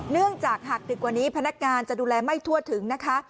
เนื่องจากหากดึกกว่านี้พนักงานจะดูแลไม่ทั่วถึงนะคะ